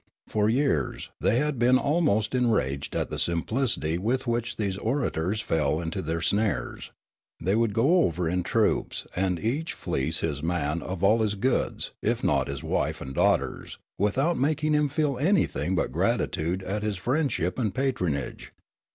For years they had been almost en raged at the simplicity with which these orators fell into their snares. They would go over in troops, and each fleece his man of all his goods, if not of his wife and daughters, without making him feel anything but gratitude at his friendship and patronage.